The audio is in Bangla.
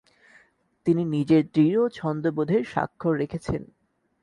তিনি নিজের দৃঢ় ছন্দবোধের সাক্ষর রেখেছেন।